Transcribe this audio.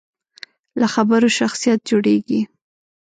له خبرو شخصیت جوړېږي.